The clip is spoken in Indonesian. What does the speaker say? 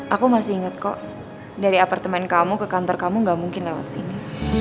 aku masih ingat kok dari apartemen kamu ke kantor kamu gak mungkin lewat sini